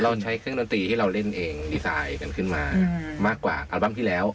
ใช้เครื่องดนตรีที่เราเล่นเองดีไซน์กันขึ้นมามากกว่าอัลบั้มที่แล้ว